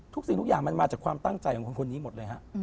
สิ่งทุกอย่างมันมาจากความตั้งใจของคนนี้หมดเลยฮะ